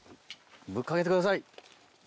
ぶっかけてください。